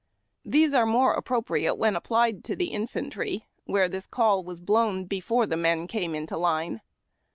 These are more appropriate when applied to the infantry, where the call was blown before the men came into line.